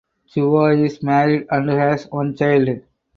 Chua is married and has one child.